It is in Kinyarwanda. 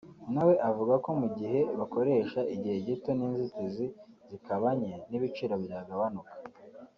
na we avuga ko mu gihe bakoresha igihe gito n’inzitizi zikaba nke n’ibiciro byagabanuka